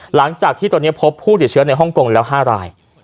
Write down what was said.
หลังจากที่ตอนนี้พบผู้ติดเชื้อในฮ่องกงแล้ว๕ราย